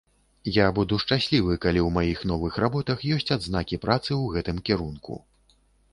Я буду шчаслівы, калі ў маіх новых работах ёсць адзнакі працы ў гэтым кірунку.